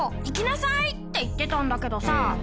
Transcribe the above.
行きなさい」って言ってたんだけどさ